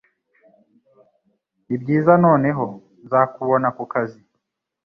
Nibyiza noneho, nzakubona kukazi